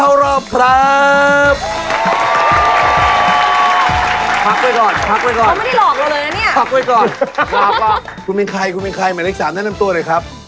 เอาแล้วก็แต่ใครเป็นนักเต้นลีลร่าตัวจริง๙หังหน้าครับ